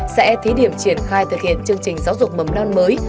sẽ thí điểm triển khai thực hiện chương trình giáo dục mầm non mới